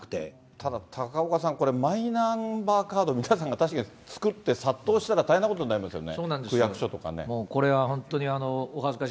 ただ、高岡さん、マイナンバーカード、皆さん確かに作って殺到したら、大変なことになりますよね。